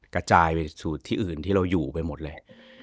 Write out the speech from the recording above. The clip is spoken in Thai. กระจายไปสู่ที่อื่นที่เราอยู่ไปหมดเลย